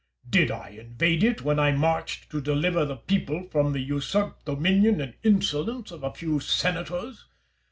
Did I invade it when I marched to deliver the people from the usurped dominion and insolence of a few senators?